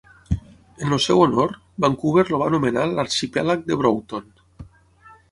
En el seu honor, Vancouver el va anomenar l'arxipèlag de Broughton.